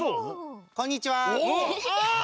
こんにちは。ああ！